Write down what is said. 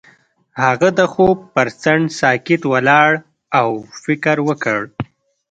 هغه د خوب پر څنډه ساکت ولاړ او فکر وکړ.